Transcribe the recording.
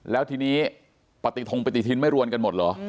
แล้วทีนี้ปฏิทงปฏิทินไม่รวมกันหมดเหรอ